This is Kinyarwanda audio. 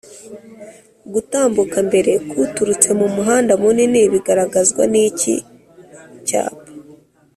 gutambuka mbere k’uturutse mu muhanda munini bigaragazwa niki cyapa